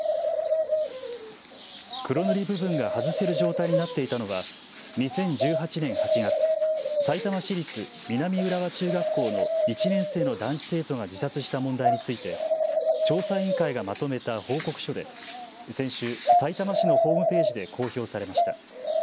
黒塗り部分が外せる状態になっていたのは２０１８年８月、さいたま市立南浦和中学校の１年生の男子生徒が自殺した問題について調査委員会がまとめた報告書で先週、さいたま市のホームページで公表されました。